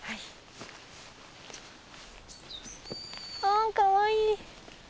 あっかわいい。